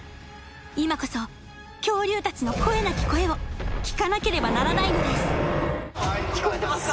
今こそ恐竜たちの声なき声を聞かなければならないのです聞こえてますか？